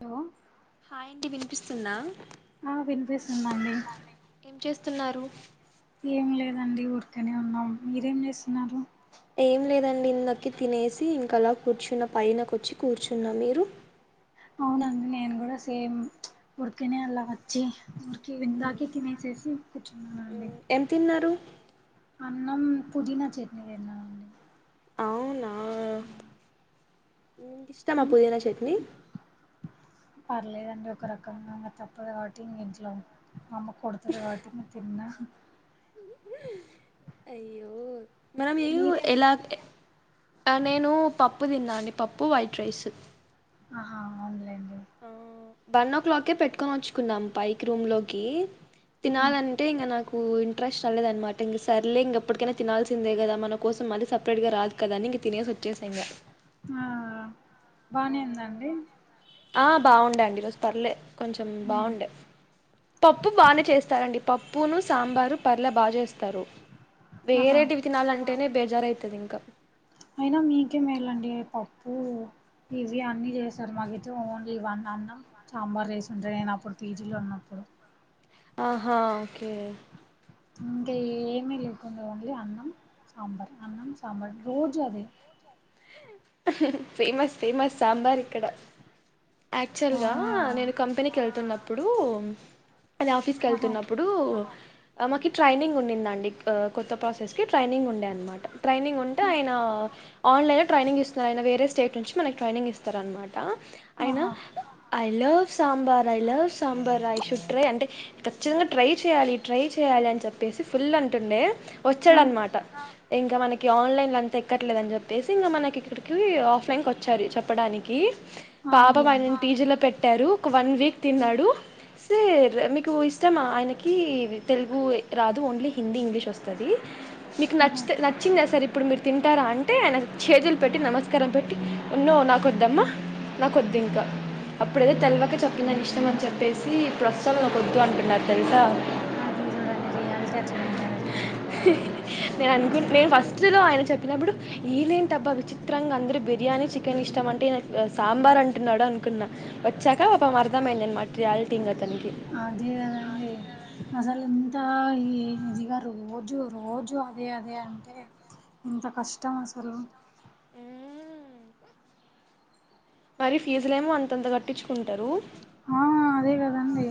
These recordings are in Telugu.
హలో హాయ్ అండి వినిపిస్తుందా హా వినిపిస్తుందండి ఏం చేస్తున్నారు ఏం లేదండి ఊరకనే ఉన్నాం మీరేం చేస్తున్నారు ఏం లేదండి ఇందాకే తినేసి ఇంకా అలా కూర్చున్న పైనకు వచ్చి కూర్చున్న మీరు అవునండి నేను కూడా సేమ్ ఉర్కనే అలా వచ్చి ఉరికే ఇందాకే తినేసేసి కూర్చున్నామండి ఏం తిన్నారు అన్నం పుదీనా చట్నీ తీన్నానండి అవునా మీకు ఇష్టమా పుదినా చట్నీ పర్లేదండి ఒక రకంగా తప్పదు కాబట్టి ఇంగ ఇంట్లో అమ్ము కొడుతది కాబట్టి తిన్న అయ్యో మన మీఊ ఎలా ఆ నేను పప్పు తిన్నానండి పప్పు వైట్ రైస్ ఆహా అవునులేండి ఆ వన్ ఓ క్లాకే పెట్టుకొని వచ్చుకున్నాం పైకి రూమ్లోకి తినాలంటే ఇంగ నాకు ఇంట్రెస్ట్ రాలేదనమాట ఇంగ సరేలే ఇగా ఎప్పటికైనా తినాల్సిందే గదా మన కోసం మళ్లీ సపరేట్గా రాదు గదా అనేసి ఇగా తినేసి వచ్చేసింగ ఆ బానే ఉందాండి ఆ బాగుండే అండి ఈరోజు పర్లే కొంచెం బాగుండే పప్పు బాగానే చేస్తారండి పప్పును సాంబారు పర్లే బాగానే చేస్తారు వేరేటివి తీనాలాంటేనే బేజారు అయితది ఇంకా అయినా మీకే మేలండి పప్పు ఈజీగా అన్నీ చేస్తారు మాకైతే ఓన్లీ వన్ అన్నం సాంబార్ రేస్ ఉంటది నేను అప్పుడు పీజీలో ఉన్నప్పుడు ఆహా ఓకే ఇంకా ఏమీ లేకుండే ఓన్లీ అన్నం అంబర్ అన్నం సాంబార్ రోజు అదే ఫేమస్ ఫేమస్ సాంబార్ ఇక్కడ యాక్చువల్గా నేను కంపెనీకి వెళ్తున్నప్పుడు అది ఆఫీస్కి వెళ్తున్నప్పుడు మాకి ట్రైనింగ్ ఉండిన్దండి కొత్త ప్రాసెస్కి ట్రైనింగ్ ఉండే అనమాట ట్రైనింగ్ ఉంటే ఆయన ఆన్లైన్లో ట్రైనింగ్ ఇస్తు వేరే స్టేట్ నుంచి మనకి ట్రైనింగ్ ఇస్తారనమాట అయిన I love sambar I love sambar I should try అంటే ఖచ్చితంగా ట్రై చేయాలి ట్రై చేయాలి అని చెప్ చెప్పేసి ఫుల్ అంటుండే వచ్చాడనమాట ఇంకా మనకి ఆన్లైన్ల అంతా ఎక్కట్లేదు అని చెప్పేసి ఇంగా మనకి ఇక్కడికి ఆఫ్లైన్ వచ్చారు చెప్పడానికి పాపం ఆయనను పీజీలో పెట్టా పెట్టారు ఒక వన్ వీక్ తిన్నాడు రే మీకు ఇష్టమా ఆయనకి తెలుగు రాదు ఓన్లీ హిందీ ఇంగ్లీష్ వస్తది మీకు నచ్చితే నచ్చిందా సార్ ఇప్పుడు మీరు తింటారా అంటే ఆయనకు చేతులు పెట్టి నమస్కారం పెట్టి అమ్మో నాకొద్దమ్మ నాకొద్దు ఇంకా అప్పుడేదో తెల్వక చెప్పిందని ఇష్టం అని చెప్పేసి ఇప్పుడు అస్సలు నాకొద్దు అంటున్నారు తెలుసా అదే చూడండి రియాలిటీ అట్ల ఉంటది నేను అనుకుంటు నేను ఫస్ట్లో ఆయన చెప్పినప్పుడు ఈ లేనింటబ్బ విచ్చి చిత్రంగా అందరు బిర్యానీ చికెన్ ఇష్టం అంటే సాంబార్ అంటున్నాడు అనుకున్నా వచ్చాక పాపం అర్ధం అయ్యిందన్నమాట రియాలిటింగా తనకి అదే కదండి అసలు ఇంత ఈ ఇదిగా రోజు రోజు అదే అదే అంటే ఇంత కష్టం అసలు మరి ఫీజులేమో అంతంత కట్టించుకుంటరు ఆవ అదే గదండి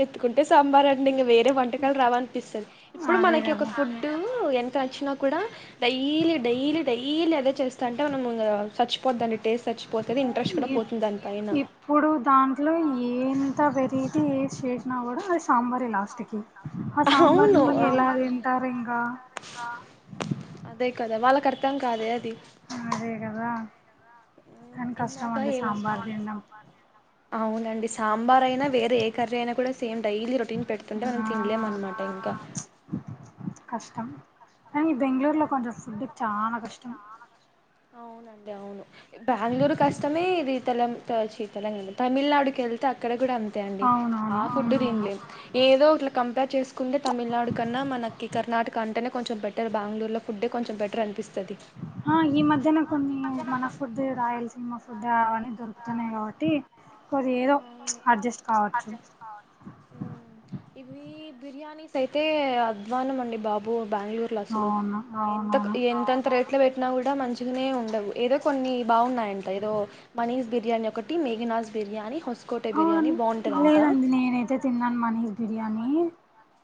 ఎత్తుకుంటే సాంబార్ అండి ఇంగ వేరే వంటకాల్ రావన్పిస్తది ఇప్పుడు మనకి ఒక ఫుడ్ టు ఎన్కచ్చినా కూడా డైలీ డైలీ డైలీ అదె చేస్తాంటే మనం ఇగ సచ్చిపోదండి టేస్ట్ సచ్చిపోతది ఇంట్రెస్ట్ కూడా పోతుంద్ దాన్పైన ఇప్పుడు దాంట్లో ఏంత వెరైటీ ఏష్ చేషినా కూడా అది సాంబారే లాస్ట్కి ఆ సాంబార్ ని ఎలా దిన్టరింగ అదే కదా వాళ్ళక్ అర్థం కాదే అది అదే కదా కానీ కష్టం అండి సాంబార్ దిన్డం అవునండి సాంబార్ అయినా వేరే ఏ కర్రీ అయినా కూడా సేమ్ డైలీ రొటీన్ పెడ్తుంటే మనం తిన్లేం అన్మాట ఇంకా కష్టం కానీ బెంగళూరులొ కొంచం ఫుడుక్ చాలా కష్టం అవునండి అవును బాన్గ్ళూరు కష్టమే ఇది తెలన్గ్ క చి తెలంగ్ తమిళ్నాడుకెల్ త అక్కడ గూడా అంతే అండి ఆ ఫుడ్ దిన్లేం ఏదో ఇట్లా కంపేర్ చేసుకుంటే తమిళ్నాడు కన్నా మనకి కర్ణాటక అంటేనే కొంచెం బెట్ టరు బాన్గ్లూర్లో ఫుడ్డే కొంచెం బెటర్ అన్పిస్తది హాఈ మధ్యన కొన్ని మన ఫుడ్ రాయల్సీమ ఫుడ్ అ అవన్నీ దొరుక్తునయ్ కాబట్టి అదిఏదో అడ్జస్ట్ కావచ్చు ఇవి బిర్యానీస్ అయితే అద్వానం అండి బాబు బెంగ్ళూర్ క్లాసులొ హా ఎంత ఎంతేంత రేట్ ఇట్ల పెట్టినా కూడా మంచిగ్నే ఉండవు ఏదో కొన్ని బాగున్నాయంట ఏదో మనీస్ బిర్యానీ ఒకటి మేగనాస్ బిర్యానీ హస్కోటె బిర్యానీ బాగుంటదంట తిన్నాను మనీస్ బిర్యానీ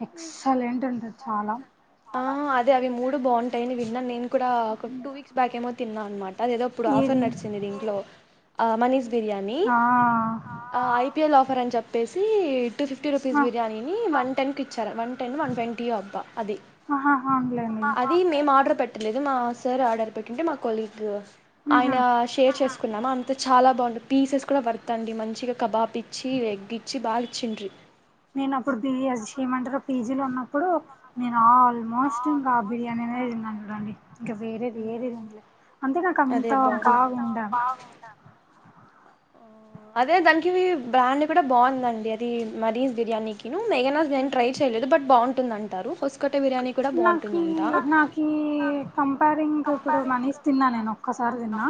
ఎక్సలెంట్ ఉంటది చాలా ఆ అదే అవి మూడు బావున్టాయ్ అని విన్నన్ నేన్ కుడా ఒక టూ వీక్స్ బ్యాక్ ఏమో తిన్ననన్మాట అదేదో ఇప్పుడు ఆఫర్ నడిచింది దీంట్లో ఆ మనీస్ బిర్యాని ఆ ఐపీఎల్ ఆఫర్ అన్ చెప్పేసి టూ ఫిఫ్టీ రూపీస్ బిర్యానీని వన్ టెన్ కిచ్చారున్ one ten one twenty అబ్బా అది ఆ ఇది మేమ్ ఆర్డర్ పెట్టలేదు మా సర్ ఆర్డర్ పెటింటే మా కోలిగ్ అయ్న షేర్ చేసుకున్నామ అంతె చాలా బాగుండె పీసెస్ కూడా వర్తండి మంచిగా కబాబ్ ఇచ్చి ఎగ్ ఇచ్చి బాగ్ ఇచ్చిండ్రి నేను అప్పుడు బిఎస్ చేయ్మంటరో పీజీలో ఉన్నప్పుడు నేను ఆల్ ఆల్మోస్ట్ ఇంగ బియాణినే తిందాం రండి ఇంకా వేరేది ఏది దిన్లే అన్తెలె నాకంత బాగుండె హమ్ అదే దాన్కి బ్రాండ్ కూడ బాగుందండి అది మరీస్ బిర్యానీకును మెగనాస్ నేను ట్రై చేయ్లేదు బట్ బావున్టుందంటారు హస్కట్టే బిర్యానీ కూడా బావ్టుందంట [inaudible] కంపరింగ్ ఇప్పుడు మనీష్ తిన్నా నేను ఒక్కసారి తిన్నా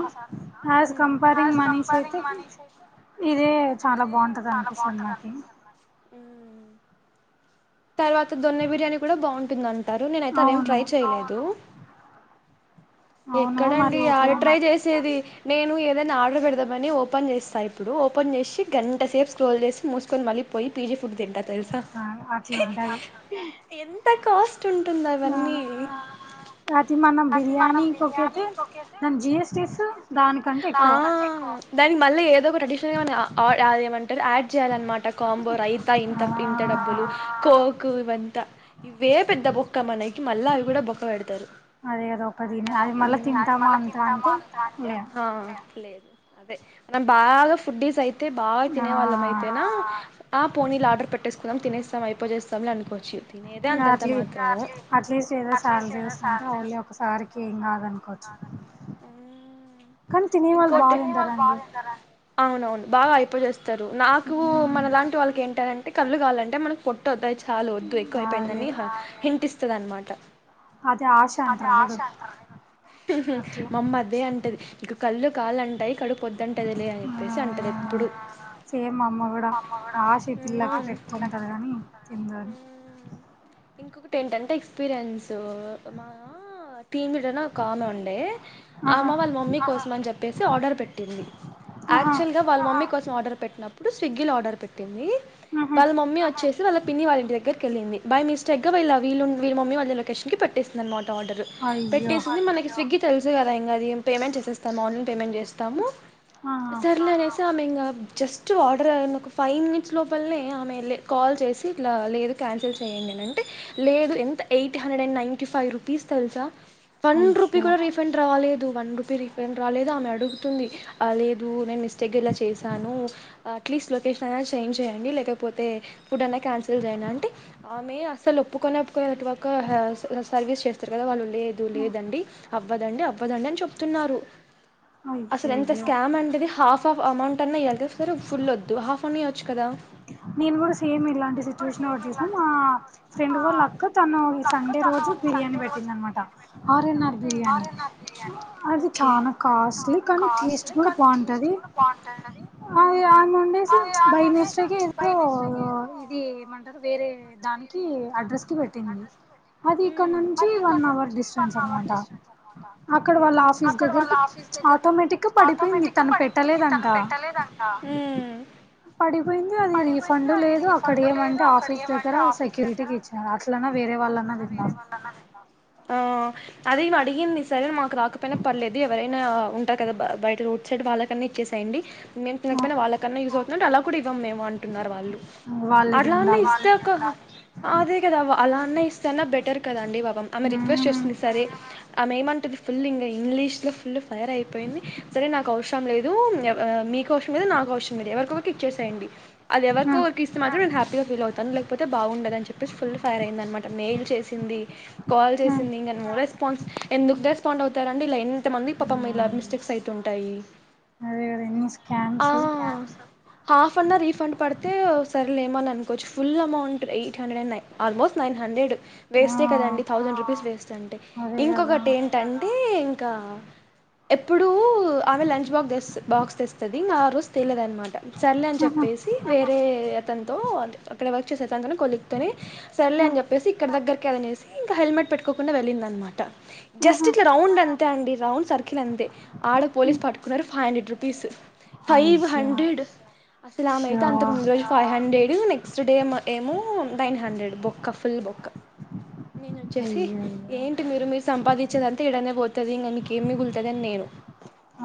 హాస్ కంపరింగ్ మనీష్ అయితే ఇదే చాలా బాగుంటదన్పిస్తది నాకి తర్వాత దొన్నే బిర్యానీ కూడా బావున్టుందన్ టరు నేనైతే అవేం ట్రై చేయ్లేదు ఎక్కడండి యాడ ట్రై చేస్ వచ్చేది నేను ఏదైనా ఆర్డర్ పెడదామని ఓపెన్ జెస్తా ఇప్పుడు ఓపెన్ జేషి గంట సేప్ స్క్రోల్ చేస్ మూసుకొని మళ్ళి పోయి పిజి ఫుడ్ తింటా తెల్సా ఎంత కాస్ట్ ఉంటుందవన్నీ మాకి మొన్న బిర్యానీకి ఒక్కటే జీఎస్టీసు అంత కంటే ఎక్కువ దాన్ని మళ్ళీ ఏదో ఒక ట్రెడిషనల్గా ఆ అది ఏం టరు యాడ్ చేయాలన్నమాట కాంబో రైతా ఇంత ఇంత డబ్బులు కోక్ ఇవంతా ఇవే పెద్ద బొక్క మనకి మళ్ళా అవి కూడా బొక్క పెడతారు అదే కదా అదే కదా [unintelligible] మళ్ళా తింటామా అంతా అంటే లేదు అదే మనం బాగా ఫుడ్డీస్ అయితే బాగ తినే వాళ్ళం అయితేనా ఆ పోనీలె ఆర్డర్ పెట్టేసుకుందాం తినేస్తాం అయిపోజేస్తాంలే అనుకోవచ్చు తినేదే అంతంత మాత్రమూ ఇంకోటి అవునువును బాగా అయిపోజేస్తారు నాకు మనలాంటి వాళ్ళకి ఏంట అంటే కళ్ళు కావాలంటే మనకు పోట్టు అవుతాయ్ చాలు వద్దు ఎక్కువైపోయిందని హింటిస్తదనిమాట హజ ఆశాన్ మా అమ్మ అదే అంటది నీకు కళ్ళు కావలంటై కడుపు పోద్దిన్టదిలే అని చెప్పేసి అంటదేప్పుడు సేమ్ మా అమ్మ గుడా ఆశి పిల్లకి పెట్టుకుంటది గాని తిందు అని ఇంకొకటి ఏంటంటే ఎక్స్పీరియన్స్ మా టీం లీడర్ అని ఒక ఆమె ఉండా ఆమె వాళ్ళ మమ్మీ కోసం అని చెప్పేసి ఆర్డర్ పెట్టింది ఆహా వాళ్ళ మమ్మీ కోసం ఆర్డర్ పెట్టినప్పుడు స్విగ్గిలో ఆర్డర్ పెట్టింది వాళ్ళ మమ్మీ వచ్చేస్ వాళ్ళ పిన్ని వాళ్ళింటిదగ్గరకి ఎల్లింది బై మిస్టేక్ గా వీళ్ వీళ్ళ వీళ్ళ మమ్మీ లొకషన్కి పెట్టసింది అనమాట ఆర్డరు పెట్టేసింది మనకి స్విగ్గి తెల్సు కదా ఇంగది పేమెంట్ చేసేస్తా ఆన్లైన్ పేమెంట్ చేస్తాము సరేలే అనేసి త ఆమే ఇంగా జస్ట్ ఆర్డర్ అయినక ఒక ఫైవ్ మినిట్స్ లోపలనే ఆమె కాల్ చేసి ఇట్లా లేదు క్యాన్సిల్ చేయండని అంటే లేదు ఎంత్ eight hundred and ninety five rupees తెల్స వన్ రూపీ కూడా రిఫ ఫండ్ రాలేదు వన్ రూపీ రిఫండ్ రాలేదు ఆమె అడుగుతుంది లేదు నేను మిస్టేక్గ ఇలా చేశాను అట్లీస్ట్ లొకేషన్ అయినా చేంజ్ చేయండి లేకపోతే ఫుడ్ అయిన క్యాన్సిల్ చేయండి అంటే ఆమె అసలు ఒప్పుకొనే ఒప్పుకో [unintelligible] సర్వీస్ చేస్ కదా వాళ్ళు లేదు లేదండి అవ్వదండి అవ్వదండి అని చెప్తున్నారు అసలేంత స్కామ్ అండది హాఫ్ [unintelligible] అమౌంటన్నా ఇయ్యాలి కదా ఫుల్ వద్దు హాఫ్ అయిన ఇవచ్చు కదా నేను కూడా సేమ్ ఇలాంటి సిచ్యువేషన్ ఒకటి చూసినం మా ఫ్రెండ్ వాళ్ళక్క తను ఈ సండే రోజు బిర్యానీ పెట్ తింది మాట ఆర్ ఎన్ ఆర్ బిర్యాని అది చాలా కాస్ట్లీ కానీ టేస్ కానీ ఫేస్ట్ కూడా బాగుంటది ఆయా ఆమె ఉండసి బై మిస్టేగా ఏదో ఇది ఏమంటరు వేరే దానికి అడ్రస్కి పెట్టింది అది ఇక్కడ్నుంచ్ టి వన్ అవర్ డిస్టెన్స్ అనమాట మాట అక్కడ వాళ్ళ ఆఫీస్ దగ్గర ఆటోమేటిక్గా పడిపోయింది తను పెట్టలేదం ఆ పడిపోయింది అది రీఫండ్ లేదు అక్కడ ఏమంటే ఆఫీస్ దగ్గర సెక్యూరిటీకి ఇచ్చిన అట్లన్న వేరే వాళ్ళన్నా తిన్నార్ [unintelligible] ఆ అదీ ఈమె అడిగింది సరే మాకు రాకపోయినా పర్లేదు ఎవరైనా ఉంటారు కదా బ బయట రోడ్ సైడ్ వాళ్ళకి కన్న ఇచ్చేసేయండి మేము తినకపోయినా వాళ్ళకన్నా యూజ్ అవుతుందంటే అలా కూడా ఇవ్వం మేము అంటున్నారు వాళ్ళు అట్లా అన్నా ఇస్తే ఒక అదే కదా అలా అన్నా ఇస్తే అన్నా బెటర్ కదండి పాపం ఆమె రిక్వెస్ట్ చేస్తుంది సరే ఆమె ఏమంటుంది ఫుల్ ఇంగా ఇంగ్లీష్లో ఫుల్ ఫైయర్ అయిపోయింది సరే నాకవషరం లేధ్ దు ఎవ ఆ మీకవషరం లేదు నాకవషరం లేదు ఎవరికో ఒకరికి ఇచ్చేసేయండి అది ఎవరికో ఒకరికి ఇస్ స్తే మాత్రం నేను హ్యాపీగా ఫీల్ అవుతాను లేకపోతే బాగుండదని చెప్పేసి ఫుల్ ఫైర్ అయిందనమాట మేయిల్ చేసింది కాల్ చేసింది ఇంక నువ్ రెస్ స్పాన్స్ ఎందుకు రెస్పాండ్ అవుతారండి ఇలా ఎంతమంది పాపం ఇలా మిస్టేక్స్ అయితు ఉంటాయి ఆ హాఫ్ అన్న రీఫండ్ పడితే ఓ సర్లే ఏమన్నా అనుకోవొచ్చు full amount eight hundred and nine almost nine hundred వేస్టే కదండి థౌజండ్ రూపీస్ వేస్ట్ అంటే ఇంకొకటి ఏంటంటే ఇంకా ఎప్పుడూ ఆమె లంచ్ బాక్స్ తెస్ బాక్స్ తెస్తది ఇంగ ఆ రోజు తెలేదు అనమాట సర్లే అని చెప్ ప్పేసి వేరే అతనితో అక్కడ వర్క్ చేసే తనితోనే కొలిక్ తోనే సర్లే అని చెప్పేసి ఇక్కడ దగ్గరి కదనేసి ఇంక హెల్మెట్ పెట్టుకోకుండా వెళ్ళింది అనమాట జస్ట్ ఇట్లా రౌండ్ అంతే అండి రౌండ్ సర్కిల్ అంతే ఆడ పోలీస్ పట్టుకున్నరు five hundred rupees five hundred అసలు ఆమె అయితే అంతకు ముందు రోజు ఫైవ్ హండ్రెడు నెక్స్ట్ డే ఏమ ఏమో నైన్ హండ్రెడ్ బొక్క ఫుల్ బొక్క నేను ఒచ్చేసి ఏంటి మీరు మీరు సంపాదిచ్చేదంతా ఈడనే పోతది ఇంగ మీకేం మిగులుతది నేను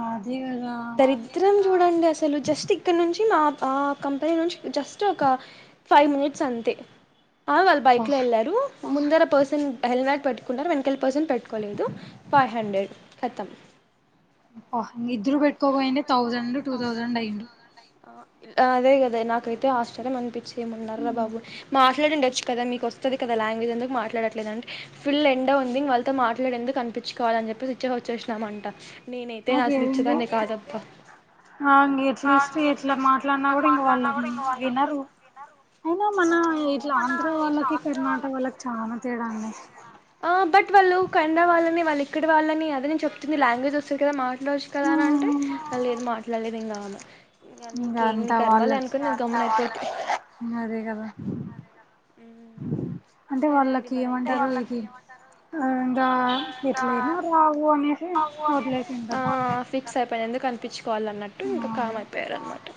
ఆదే గదా చిత్రం చూడండి అసలు జస్ట్ ఇక్కడ నుంచి మా ఆ కంపెనీ నుంచి జస్ట్ ఒక ఫైవ్ మినిట్స్ అంతే ఆ వాళ్ళు బైక్ లో ఎళ్ళారు ముందర పర్సన్ హెల్మెట్ పెట్టుకున్నరు వెనకల్ పర్సన్ పెట్టుకోలేదు ఫైవ్ హండ్రెడ్ కథమ్ ఓహ్ ఇద్దురు పెట్టుకోపోయింటే థౌజండ్ అదే గదా నాకైతే ఆశ్చర్యం అనిపిచ్చే ఏమున్నారాా బాబు మాట్లాడండి ఉండొచ్చు కదా మీకు ఒస్తది కదా లాంగ్వేజ్ ఎందుకు మాట్లాడట్లేదు అంటె ఫుల్ ఎండ ఉంది వాళ్ళతో మాట్లాడి ఎందుకు అనిపిచ్చుకోవాలని జెప్పేసి ఇచ్చేసి ఒచ్చేసినామంట [unintelligible] హా మీ ట్లీస్ట్ ఎట్లా మాట్లాడిన గుడా ఇంగ వాళ్ళు వినరు అయినా మన ఇట్లా ఆంధ్ర వాళ్ళకి కర్ణాటక వాళ్ళకి చాలా తేడా అండీ ఆ బట్ వాళ్ళు కనడా వాళ్ళని వాళ్ళు ఇక్కడ వాళ్ళని అదేనె చెప్తుంది లాంగ్వేజ్ వస్తది కదా మాట్ డొచ్చు కదా అని అంటే అ లేదు మాట్లాడలేదు ఇంగ ఆమె ఇంగ నీకే నీ కర్మలె అనుకొని నే గమ్మునయిపోతి అదే గదా ఉమ్ సరే అండి మరి అయితే ఆ ఫిక్స్ అయిపాయ ఎందుకు అనిపిచ్చుకోవాలన్నట్ ట్టు ఇంకా కామ్ అయిపోయారు అనమాట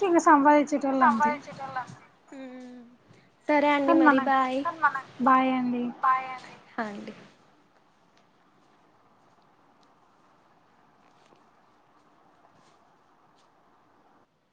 సరే అండి మరి బాయ్